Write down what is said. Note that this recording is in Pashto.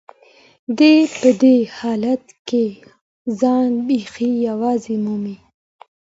دی په دې حالت کې ځان بیخي یوازې مومي.